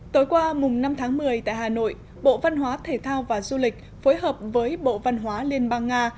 tối qua năm tháng một mươi tại hà nội bộ văn hóa thể thao và du lịch phối hợp với bộ văn hóa liên bang nga